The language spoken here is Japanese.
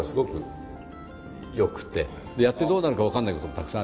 やってどうなるかわからない事もたくさんある。